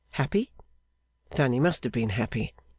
Happy? Fanny must have been happy.